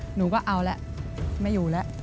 หนูก็เอาแล้วไม่อยู่แล้ว